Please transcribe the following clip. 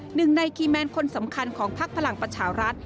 หนึ่งในคีย์แมนคนสำคัญของพักพลังประชารัฐ